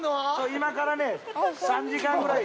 ◆今からね、３時間ぐらい。